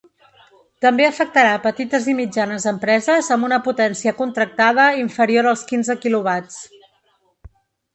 També afectarà petites i mitjanes empreses amb una potència contractada inferior als quinze quilowatts.